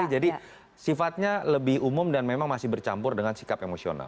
jadi sifatnya lebih umum dan memang masih bercampur dengan sikap emosional